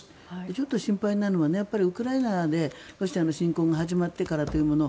ちょっと心配なのはウクライナでロシアの侵攻が始まってからというもの